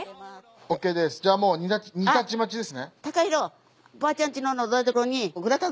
オーケーですじゃあもう煮立ち待ちですね。